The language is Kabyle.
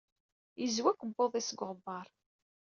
Yezwi akebbuḍ-is seg uɣebbar.